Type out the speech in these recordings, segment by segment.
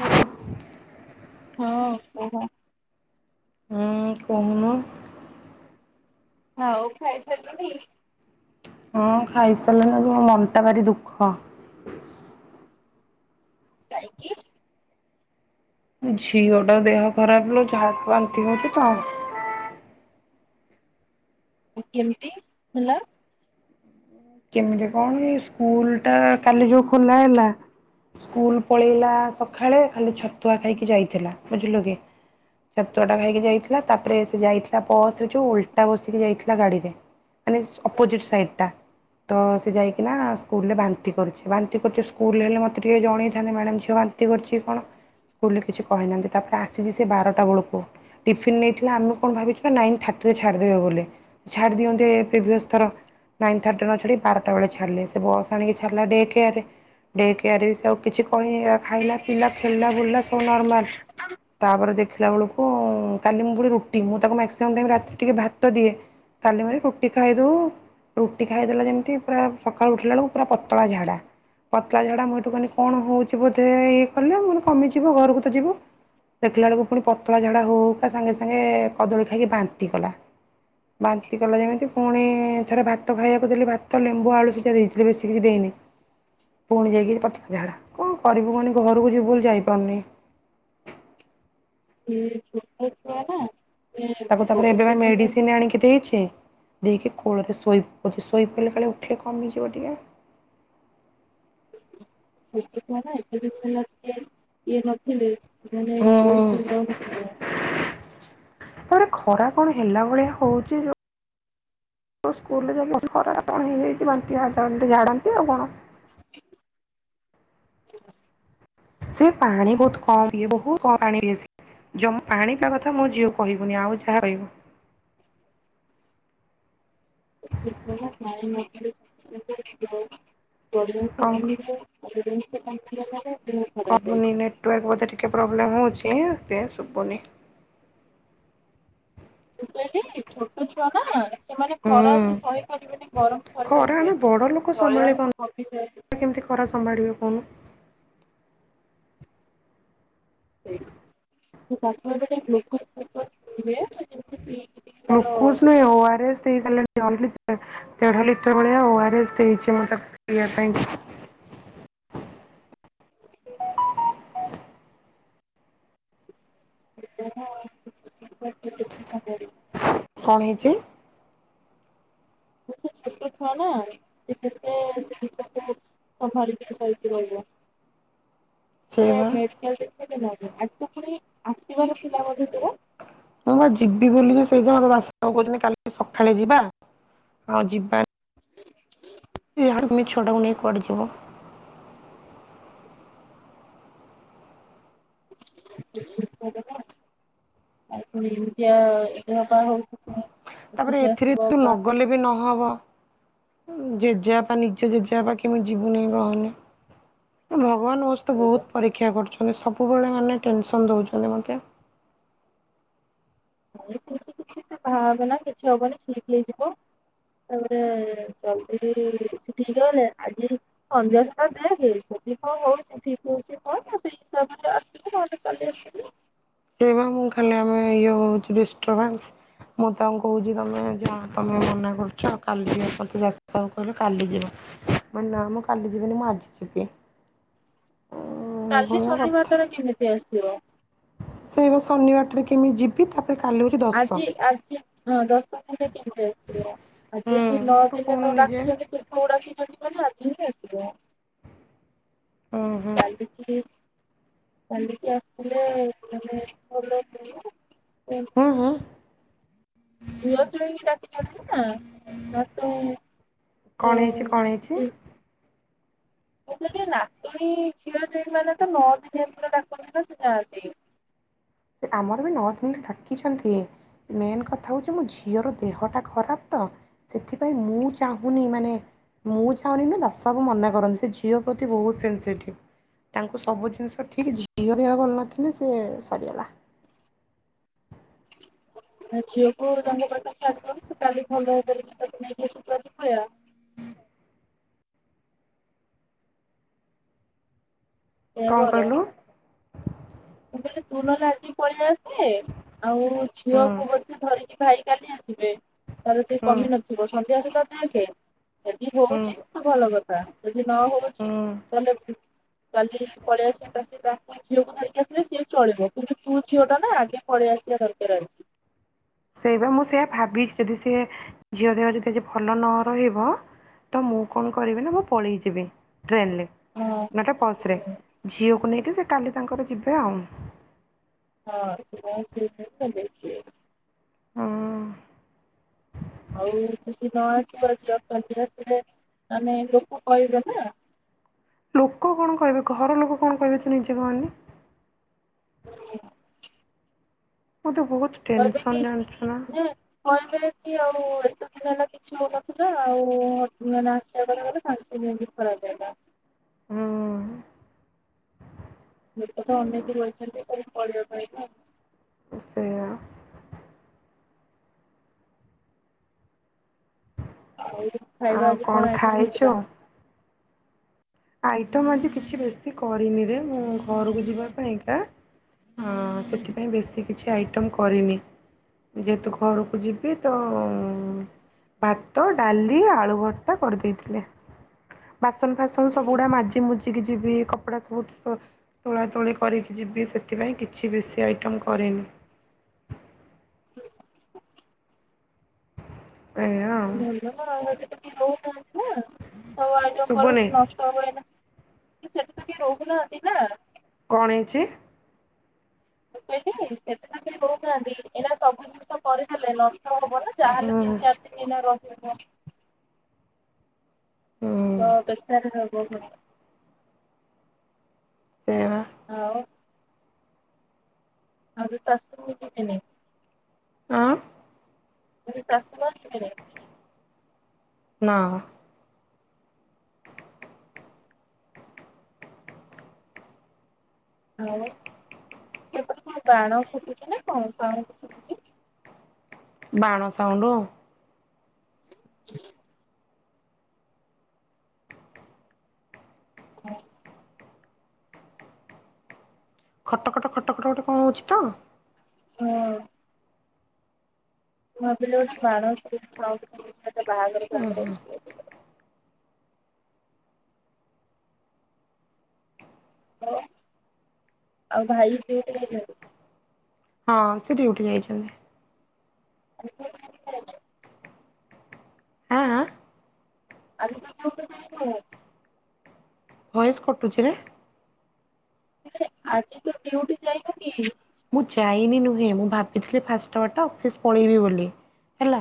Hello ହଁ କୁହ ହୁଁ କୁହୁନୁ ହଉ ଖାଇ ସାରିଲୁଣି? ହଁ ଖାଇସାରିଲିଣି ଆଜି ମନଟା ଭାରି ଦୁଃଖ। କାଇଁକି ଝିଅଟା ଦେହ ଖରାପ ଲୋ ଝାଡ଼୍ ବାନ୍ତି ହଉଛି ତ। କେମିତି ହେଲା? କେମିତି କଣ ସ୍କୁଲ ଟା କାଲି ଯୋଉ ଖୋଲା ହେଲା ସ୍କୁଲ ପଳେଇଲା ସଖାଳେ ଖାଲି ଛତୁଆ ଖାଇକି ଯାଇଥିଲା ବୁଝିଲୁ କି ଛତୁଆ ଟା ଖାଇକି ଯାଇଥିଲା ତାପରେ ସେ ଯାଇଥିଲା ବସରେ ଯୋଉ ଓଲଟା ବସିକି ଯାଇଥିଲା ଗାଡିରେ ମାନେ ଅପୋଜିଟ ସାଇଡ୍ ଟା ତ ସେ ଯାଇକିନା ସ୍କୁଲରେ ବାନ୍ତି କରିଛି ବାନ୍ତି କରିଛି ସ୍କୁଲରେ ହେଲେ ମୋତେ ଟିକେ ଜଣେଇଥାନ୍ତେ ମ୍ୟାଡ଼ାମ ଝିଅ ବାନ୍ତି କରିଛି କଣ ସ୍କୁଲରେ କିଛି କହିନାହାନ୍ତି ତାପରେ ଆସିଛି ସେ ବାରଟା ବେଳକୁ ଟିଫିନ୍ ନେଇଥିଲା ଆମେ କଣ ଭାବିଛୁ ନା ନାଇନ୍ ଥାର୍ଟିରେ ଛାଡ଼ିଦେବେ ବୋଲି ଛାଡ଼ି ଦିଅନ୍ତ ପ୍ରିଭିଅସ୍ ଥର ନାଇନ୍ ଥାର୍ଟି ବାରଟା ବେଳେ ଛାଡ଼ିଲେ ସେ ବସ୍ ଆଣିକି ଛାଡ଼ିଲା ଡେ କେଆରେ ଡେ କେଆରେ ସେ ଆଉ କିଛି କହିନି ଖାଇଲା ପିଲା ଖେଳିଲା ବୁଲା ସବୁ ନର୍ମାଲ ତାପରେ ଦେଖିଲା ବେଳକୁ କାଲି ମୁଁ ପୁଣି ରୁଟି ମୁଁ ତାକୁ ମାକ୍ସିମମ୍ ଟାଇମ୍ ରାତିରେ ଟିକେ ଭାତ ଦିଏ କାଲି ରୁଟି ଖାଇଦଉ ରୁଟି ଖାଇଦେଲା ଯେମ ପୁରା ସକାଳୁ ଉଠିଲା ବେଳକୁ ପୁରା ପତଳା ଝାଡା ପତଳା ଝାଡା ମୁଁ ଏଠୁ କହିଲି କଣ ହଉଛି ବୋଧେ ଇଏ କଲେ ମାନେ କମିଯିବ ଘରକୁ ତ ଯିବ ଦେଖିଲା ବେଳକୁ ପୁଣି ପତଳା ଝାଡା ହଉ ହଉକା ସାଙ୍ଗେ ସାଙ୍ଗେ କଦଳୀ ଖାଇକି ବାନ୍ତି କଲା ବାନ୍ତି କଲା ଯେମିତି ପୁଣି ଥରେ ଭାତ ଖାଇବାକୁ ଦେଲି ଭାତ୍ ତ ଲେମ୍ବୁ ଆଳୁ ସିଝା ଦେଇଥିଲି ବେଶିକିଛି ଦେଇନି ପୁଣି ଯାଇକି ପତଲା ଝାଡା କଣ କରିବୁ କଣ ଘରକୁ ଯିବୁ ବୋଲି ଯାଇପାରୁନି। ହଁ ଛୋଟ ଛୁଆ ଟା ତାକୁ ତାପରେ ଏବେ ବା ମେଡିସିନ ଆଣିକି ଦେଇଛି। ଦେଇକି କୋଳରେ ଶୋଇ ପଡିଛି ଶୋଇ ପିଡିଲେ କାଳେ ଉଠିଲେ କମିଯିବ ଟିକେ। ଛୋଟ ଛୁଆ ନା ଏତେ ଦିନ ହେଲା ଟିକେ ଇଏ ନଥିଲେ। ହୁଁ [unintelligible] ତାପରେ ଖରା କଣ ହେଲା ଭଳିଆ ହଉଛି ଯୋଉ ସ୍କୁଲ୍ ଖରାରେ କଣ ହେଇଯାଇଛି ବାନ୍ତି ଝାଡ଼ନ୍ତି ଆଉ କଣ? ସେ ପାଣି ବହୁତ କମ ପିଏ ବହୁ ପାଣିମା ପାଣିବା କଥା ମୋ ଝିଅ କହିବୁନି ଆଉ ଯାହା କହିବୁ। [unintelligible] [unintelligible] ସେ କଣ କାଇ ନେଲାରେ। କମୁନି ନେଟୱାର୍କ ବୋଧେ ଟିକେ ପ୍ରୋବ୍ ରହୁଛି ସେଟ୍ ଶୁଭୁନି। ହିଲି ଛୋଟ ଛୁଆ ନା। ସେମାନେ ହୁଁ ଖରାଏତେ ସହିପାରିବେନି ଗରମ ଖରା ଆମେ ସହିପାରିବେନି ବଡ ଲୋକ ସମ୍ଭାଳି ପାରୁନୁ ଜଳିଆଁଶ କମିଯାଏ। କେମିତି ଖରା ସମ୍ଭାଳିବେ କହୁନୁ। ସେ ଗ୍ଲୁକୋଜ ଫ୍ଲୁକୋଜ ପିଇବେ। ଟିକେ ତାର ଗ୍ଲୁକୋଜ ନାଇ ଓଆରଏସ୍ ଦେଇସାରଲେଣି ଅଲ ଦେଢ ଲିଟର ଭଳିଆ ଓଆର ଏସ୍ ଦେଇଛି ମୁ ତାକୁ ପିଇବା ପାଇଁ। ସେ ଛୋଟ ଛୁଆ ନା ସେ କହିଛି। ସେ ଛୋଟ ଛୁଆ ନା ସେ କେତେ ସମ୍ଭଳିକି ଧରିକି ରହିବ। ସେ ବା [unintelligible] ଆଜି ପୁଣି ଆସିବାର ଥିଲା ବୋଧେ ତୋର। ମୁଁ ବା ଯିବି ବୁଲି ସେଇ ଯା ମତେ ବାସକୁ କହୁଛନ୍ତି କାଲି ସକାଳେ ଯିବା ଆଉ ଯିବା। ଏ ହଡମୁହିଁ ଛୁଆତକୁ ନେଇ କୁଆଡେ ଯିବ। ଆଉ ପୁଣି ଏମିତିଆ ଦେହାପ ହୋଇଛି। ତାପରେ ଏଥିରେ ତୁ ନଗଲେ ବି ନହବ। ଜେଜେବାପା ନିଜ ଜେଜେବାପା କେମତି ଯିବୁନହିଁ ରହନି ଭ। ଭଗବାନ ମୋ ସହିତ ଶୋଇବ ବହୁତ ପରୀକ୍ଷା କରୁଛ। ସବୁବେଳେ ମାନେ ଟେନସନ ଦେଉଛନ୍ତି ମତେ। ନାଇ ତୁ କିଛି ଭାବେନ କିଛି ହବନି ଠିକ ହେଇଯିବ ତାପରେ ଜଲଦି ଠିକ ହୋଇଗଲେ ଆଜି ସନ୍ଧ୍ୟାସୁଧା ଦେଖ ଯଦି କଣ ହଉଚି ଠିକ ହଉଛି କଣ ସେଇ ହିସାବରେ ଆସିବୁ ନହେଲେ କାଲି ଆସିବୁ। ସେ ବା ମୁଁ ଖାଲି ଆମେ ଇଏ ହଉଛି ଡିଷ୍ଟର୍ବାନ୍ସ ମୁଁ ତାଙ୍କୁ କହୁଛି ତମେ ଯା ତମେ ମନା କରୁଛ କାଲି ଯିବା କହିଲ କାଲି ଯିବ ମାନେ ନା ମୁଁ କାଲି ଯିବିନି ମୁଁ ଆଜି ଯବି। କାଲି ଶନିବାର ଟାରା କେମିତି ଆସିବ? ସେଇବା ଶନିବାରଟା ରେ କେମିତି ଯିବି ତା ଆଜି ଆଜି ହଁ ଦଶ ଦିନା କେମିତି ଆସିବ ଆଜି ଏମତି ନଅ ହୁଁ ତୁ ଦିନରେ କହୁନୁ ତ ନିଜେ ତୁଠକୁ ଡାକିଛନ୍ତି। ଶାଶୁ କହିଲେ ଆଜିହିଁ ଆସିବ। ହୁଁ ହୁଁ କାଲିକି। କାଲିିକି ଆସିଲେ ମାନେ ଭଲ ହୁଁ ହୁଁ। ଝିଅ ଜ୍ୱାଇଁ [unintelligible] କଣ ହେଇଛି? କଣ ହେଇଛି? ମୁଁ [unintelligible] ନାତୁଣୀ, ଝିଅ ଜ୍ୱାଇଁ ମାନେ ତ ନଅ ଦିନିଆ ପୁରା ଡାକନ୍ତି ବା ସେ ଯାଆନ୍ତି। ସେ ଆମର ବି ନଦିନ ଡାକିଛନ୍ତି। ମେନ୍ କଥା ହଉଛି ମୋ ଝିଅର ଦେହଟା ଖରାପ ତ ସେଥିପାଇଁ ମୁଁ ଚାହୁଁନି ମାନେ ମୁଁ ଚାହୁଁନି ନା ଦଶକୁୁ ମନା କରନ୍ତି ସେ ଝିଅ ପ୍ରତି ବହୁତ ସେନ୍ସିଟିଭ୍ ତାଙ୍କୁ ସବୁ ଜିନିଷ ଠିକ୍ ଝିଅ ଦେହ ଭଲ ନଥିଲେ ସେ ସରିଗଲା। [unintelligible] ସେଇଆ କଣ କହିଲୁ? ବେଳେ ତୁ ନ ଯା [unintelligible] ପଳେଇ ଆସ। [unintelligible] ଆଉ ହୁଁ ଝିଅକୁ ବସି ଧରି ଏ ଭାଇ କାଲି ଆସ୍ ଥିବେ, ତାର କେହି ହୁଁ କମି ନଥିବ ସ ତା ସହିତ [unintelligible] ଯଦି ହୁଁ ହଉଛି ତ ଭଲ କଥା ଯଦି ନ ହଉଛି ହୁଁ। ତାହେଲେ ଉମ। କାଲି ପଳେଇ ଆସି [unintelligible] ଝିଅକୁ ଧରିକି ଆସି। ସିଏ ଚଳିବ କିନ୍ତୁ ତୁ ଝିଅ ଟା ନା ଆଗେ ପଳେଇ ଆସିବା ଦରକାର ଆରୁ। ସେଇବା ମୁଁ ସେଇୟା ଭାବି ଯଦି ସେ ଝିଅ ଦେହ ଯଦି ଆଜି ଭଲ ନ ରହିବ, ତ ମୁଁ କଣ କରିବି ନା ମୁଁ ପଳେଇ ଯିବି। ଟ୍ରେନଲେ ଆଜି। ନାଟା ହଁ। ବସରେ ଝିଅକୁ ନେଇ କି ସେ କାଲି ତାଙ୍କର ଯିବେ ଆଉ [unintelligible] ହୁଁ। ଆଉ ଯଦି ନ ଆସିବ ଜବ କଣ୍ଟିନିଅସ୍ ଥିଲେ, ଆମେ ଲୋକ କହିବେ ନା। ଲୋକ କଣ କହିବେ? ଘର ଲୋକ କଣ କହିବେ? ତୁ ନିଜେ କହନି। [unintelligible] ମୋତେ ବହୁତ କହିବେ କି ଟେନସନ୍ ଜାଣିଛୁ ନା। କହିବେ କି ଆଉ ଏତେ ଦିନ ହେଲା କିଛି ହଉନଥିଲା ଆଉ ନା ନା। [unintelligible] ହୁଁ। ମିଡ କତ ଅନେଇ କି ବଇଛନ୍ତି ଆଉ। ପଢ଼ିବା ପାଇଁ ବା ସେଇୟା। ଆଉ ଖାଇବା ଆଉ ଆଜି କଣ ଆଇଟମ୍ ଖାଇଛୁ? ହେଇଥିଲା। ଆଇଟମ୍ ଆଜି କିଛି ବେଶୀ କରିନିରେ ମୁଁ ଘରକୁ ଯିବା ପାଇଁ କା। ହଁ ସେଥିପାଇଁ ବେଶୀ କିଛି ଆଇଟମ୍ କରିନି। ଯେହେତୁ ଘରକୁ ଯିବି ତ ଉମ ଭାତ, ଡାଲି, ଆଳୁଭର୍ତା କରି ଦେଇଥିଲେ। ବାସନ ଫା ହଁ ସବୁଗୁଡା ମାଜିମୁୁଜି ଇ କି ଯିବି କପଡା ସବୁ ତୋଳା ତୋଳି କରିକି ଯିବି ସେଥି ପାଇଁ କିଛି ବେଶୀ ଆଇଟମ୍ କରିନି। [unintelligible] ଏଇଆ ଆଉ [unintelligible] ହାଁ ସବୁ ଆଇଟମ କଲୁ ଶୁଭୁନି ନଷ୍ଟ ହବ ଆଇନ। ସେଠୀ ତ କେହି ରହୁନାହାନ୍ତି ନା। କଣ ହେଇଛି। ମୁ କଇଲି ସେଠି ତ କେହି ରହୁନାହାନ୍ତି ଏଇନା ସବୁ ଜିନିଷ କରିଦଲେ ନସ ଷ୍ଟ ହବ ନା ହୁଁ ଜାହଲେ ତିନି ଚାରି ତିି ଦିନ ଏଇନା ରହି। [inaudible] ହୁଁ ତ କେତେ ଟା ରେ ରହିବ ଘର ସେଇବା ଆଉ ଆଉ ଦିଟା ଅସ୍ତ୍ରୁ ଯିବିନି। ଆଁ। ମୁ କଇଲି ଶାଶୁ ନା ଯିବେନି। ନାମ। ଆଉ ସେପଟ କଣ ବାଣ ଫୁଟୁଛି ନା କଣ ସାଉଣ୍ଡ ଶୁବୁଛି। ବାଣ ସାଉଣ୍ଡ। [unintelligible] [unintelligible] ଖଟ ଖଟ ଖଟ ଖଟ ଗୋଟେ କଣ ହଉଛି। ହୁଁ ମୁ ଭାବିଲି ବୋଧେ ବାଣ ଆଉଣ୍ଡ ହଉଚି କୋଉଠି ବାହାଘର ଫଆଘର ହଉଛି ବୋଧେ। ହାଲୋ ଆଉ ଭାଇ ଡିଉଟି ଯାଇଛନ୍ତି। ହଁ ସେଠ ଡ଼ିଉଟି ଯାଇଛନ୍ତି। [inaudible] ଆଁ ଆଁ? [inaudible] ଭଏସ୍ କଟୁଛି ରେ। ଆଜି ତୁ ଡିଉଟି ଯାଇନୁ କି। ମୁଁ ଯାଇନି ନୁହେଁ ମୁଁ ଭାବିଥିଲି ଫାଷ୍ଟ ଆୱାର୍ ଟା ଅଫିସ୍ ପଳେଇବି ବୋଲି ହେଲା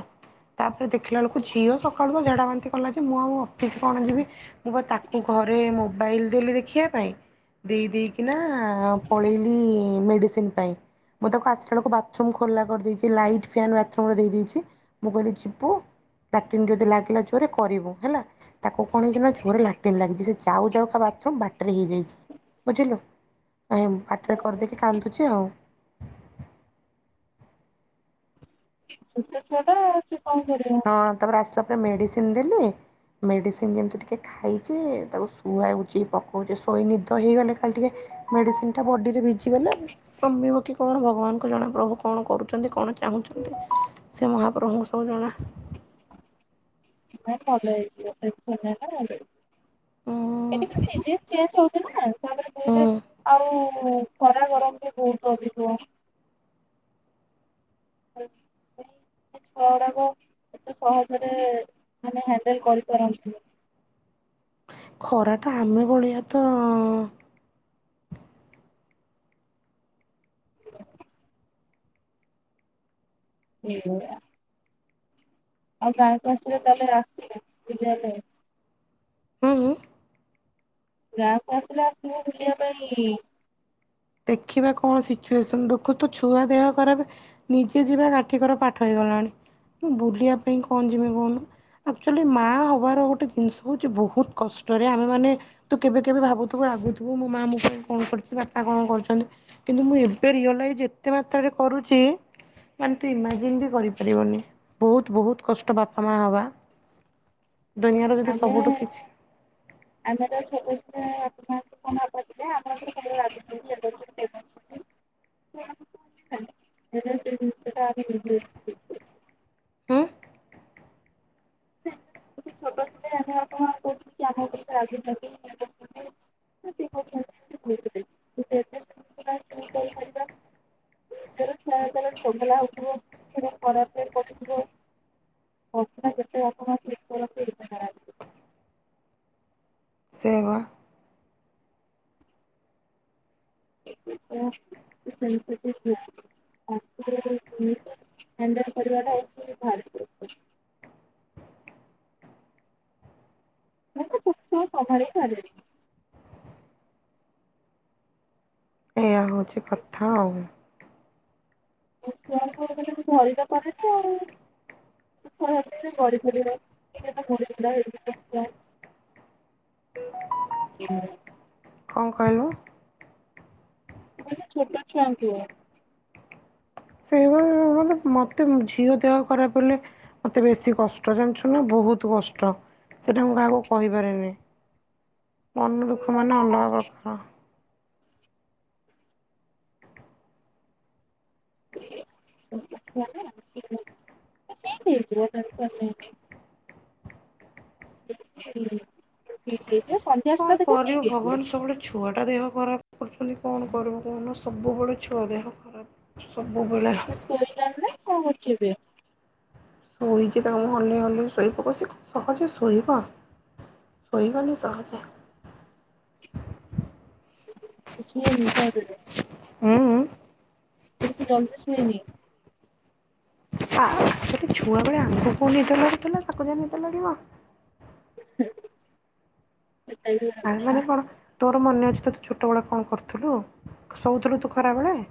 ତାପରେ ଦେଖିଲା ବେଳକୁ ଝିଅ ସକାଳୁ ଝାଡ଼ା ବାନ୍ତି କଲା ଯେ ମୁଁ ଆଉ ଅଫିସ କଣ ଯିବି ମୁଁ ବା ତାକୁ ଘରେ ମୋବାଇଲ ଦେଲି ଦେଖିବା ପାଇଁ ଦେଇ ଦେଇେଇକିନା ପଳେଇଲି ମେଡ଼ିସିନ। ପାଇଁ ମୁଁ ତାକୁ ଆସିଲା ବେଳକୁ ବାଥରୁମ୍ ଖୋଲା କରିଦେଇଛି ଲାଇଟ୍ ଫ୍ୟାନ ବାଥରୁମର ଦେଇ ଦେଇଛି ମୁ କହିଲି ଯିବୁ ଲାଟିନ ଯଦି ଲାଗିଲା ଯୋରେ କରିବୁ ହେଲା ତାକୁ କଣ ହେଇଛି? ନା ଜୋରେ ଲାଟିନ ଲାଗିଛି ସେ ଯାଉ ଯାଉକା ବାଥରୁମ୍ ବାଟରେ ହେଇ ଯାଇଛି ବୁଝିଲୁ ବାଟରେ କରିଦେଇକି କାନ୍ଦୁଚି ଆଉ। ଛୋଟ ଛୁଆଟା ସେ କଣ କରିବ ହଁ ତାପରେ ଆଇଲା ପରେ। ମେଡ଼ିସିନ ଦେଲି ମେଡ଼ିସିନ ଯେମିତି ଟିକେ ଖାଇଚି ତାକୁ ଶୁଆଉଛି ପକଉଛି ଶୋଇ ନିଦ ହେଇଗଲେ କାଳେ ଟିକେ ମେଡ଼ିସିନଟା ବଡ଼ିରେ ଭିଜିଗଲେ କମିବ କି କଣ ଭଗବାନଙ୍କୁ ଜଣା ପ୍ରଭୁ କଣ କରୁଛନ୍ତି କଣ ଚାହୁଁଛନ୍ତି ସେ ମହାପ୍ରଭୁଙ୍କୁ ସବୁ ଜଣା। ନାଇ ଭଲ ହେଇ ଯିବ ଟେନସନ୍ ନେ ନା ଭଲ ହେଇଯିବ। ଏ ହୁଁ ଟିକେ ସିଜିନ ଚେଞ୍ଜ ହଉଚି। ଚି ନା। ତା ପରେ ଦୁଇରେ ହୁଁ ଆଉ। ଯୋଉ ଖରା ଗରମ ବି ବହୁତ ଅଧିକ। ଛୁଆ ଗୁଡାକ ଏତେ ସହଜରେ ମାନେ ହଣ୍ଡେଲ କରିପାରନ୍ତି। ଖରା ଟା ଆମେ ଭଳିଆ ତ। [inaudible] ଆଉ ଗାଁକୁ ଆସିଲେ ତାହଲେ ଆସିବ ବୁଲିବା ଲାଗି। ହୁଁ ହୁଁ। ଗାଁକୁ ଆସିଲେ ଆସିବ ବୁଲିବା ପାଇଁ। ଦେଖିବା କଣ ସିଚୁଏସନ ଦେଖୁଚୁ ତ ଛୁଆ ଦେହ ଖରାପ ନିଜେ ଯିବା କାଠିିକର ପାଠ ହେଇଗଲାଣି ମୁ ବୁଲିବା ପାଇଁ କଣ ଯିମି କହୁନୁ ଆକ୍ଚୁଆଲି ମାଆ ହବାର ଗୋଟେ ଜିନିଷ ହଉଛି ବହୁତ କଷ୍ଟରେ ଆମେ ମାନେ ତୁ କେବେ କେବେ ଭାବୁଥିବୁ ରାଗୁଥିବୁ ମୋ ମାଆ ମୋ ପାଇଁ କଣ କରିଚି ବାପା କଣ। କରୁଛନ୍ତି। କିନ୍ତୁ ମୁଁ ଏବେ ରିଅଲାଇଜ୍ ଏତେ ମାତ୍ର ରେ କରୁଚି ମାନେ ତୁ ଇମାଜିନ ବି କରି ପାରି ବୁନି। ବହୁତ୍ ବହୁତ୍ କଷ୍ଟ ବାପ ମା ହବା। ଦୁନିଆର ଯଦି ସବୁଠୁ କିଛି ଆମେ ଆମେରୁ [unintelligible] ଆମ [unintelligible] ହଁ [unintelligible] ଛୋଟ ଥିଲେ ଆମେ ଆପଣ ଆମ [unintelligible] ୋ ଉପରୁ ଅ [unintelligible] ଆପଣ ଠିକ କରନ୍ତି ଏଇଟା ଖରାପ ସେବା। କରିବା [unintelligible] ମୁ ଖ ସଭାର ଚାଲେ [unintelligible] ଏଇଆ ହଉଛି କଥା ଆଉ- ଆଉ ଗ ଫେିବ [unintelligible] କଣ କହିଲୁ? େ ଛୋଟା ଛୁଆ ଙ୍କୁ [unintelligible] ସେ [unintelligible] ମତେ ଝିଅ ଦେହ ଖରାପ ହେଲେ, ମତେ ବେଶୀ କଷ୍ଟ ଜାଣିଛୁ ନା, ବହୁତ କଷ୍ଟ ସେଟା ମୁଁ କାହାକୁ କହିପାରେନି ମନ ଦୁଃଖ ମାନ ଅଲଗ ପ୍ରଖ [unintelligible] [inaudible] [inaudible] କଣ ତାକୁ କରିବୁ ଠିକ୍ ହେଇଯିବ। ଭଗବାନ ସବୁବେଳେ ଛୁଆଟା ଦେହ ଖରାପ କରୁଛନ୍ତି। କଣ କରିବୁ କହୁନୁ, ସବୁବେଳେ ଛୁଆ ଦେହ ଖରାପ। ସବୁବେଳେ। ଶୋଇଲାଣି କଣ କରୁଛିି ଏବେ [unintelligible] ଶୋଇଛି ତାକୁ ମୁ ହଲେେଇ ହଲେଇ ଶୋଇବାକ ସହଜେ ଶୋଇବ, ଶୋଇବନି ସହଜେ। େ ସ [unintelligible] ହୁଁ [unintelligible] ସେ ଜଲଦି ଶୁଏନି ଆ [unintelligible] ସେଟେ ଛୁଆ ବେଳେ ଆମଗକୁ କେଉଁ ନିଦ ଲାଗୁଥିଲା ତାକୁ ଯା ନିଦେ ଲାଗିବ। [inaudible] ଗୋଟେ ଆ କଥା। ମାନେ କଣ ମୋର ମନେ ଅଛି ତ ତୁ ଛୋଟବେଳେ କଣ କରୁଥିଲୁ, ଶୋଉଥିଲୁ ତୁ ଖରାବେେଳେ।